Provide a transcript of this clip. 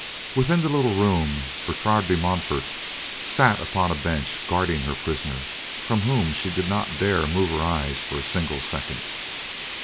Within the little room, Bertrade de Montfort sat upon a bench guarding her prisoner, from whom she did not dare move her eyes for a single second.